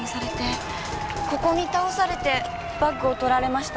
ここに倒されてバッグを盗られました。